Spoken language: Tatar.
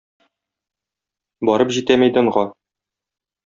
Барып җитә мәйданга.